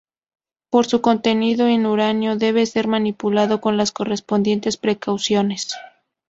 Por su contenido en uranio debe ser manipulado con las correspondientes precauciones.